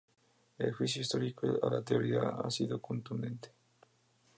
El juicio histórico a la teoría ha sido contundente.